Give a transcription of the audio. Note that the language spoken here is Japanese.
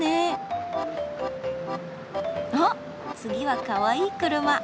あっ次はかわいい車！